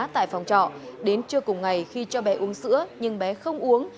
tại phòng trọ đến trưa cùng ngày khi cho bé uống sữa nhưng bé không uống